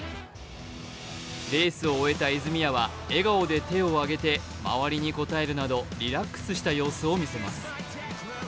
レースを終えた泉谷は笑顔で手を上げて周りに応えるなどリラックスした様子を見せます。